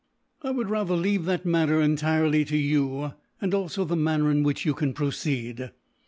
"I would rather leave that matter entirely to you, and also the manner in which you can proceed.